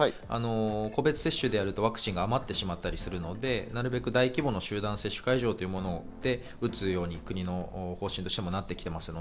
個別接種でやるとワクチンが余ったりするので、なるべく大規模の集団接種会場で打つように国の方針としてもなってきています。